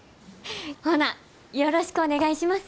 ほなよろしくお願いします！